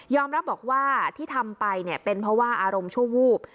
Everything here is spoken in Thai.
รับบอกว่าที่ทำไปเนี่ยเป็นเพราะว่าอารมณ์ชั่ววูบ